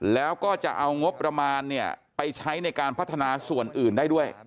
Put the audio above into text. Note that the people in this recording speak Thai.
แล้วก็จะเอางบประมาณไปใช้ในการพัฒนาส่วนอื่นได้ด้วย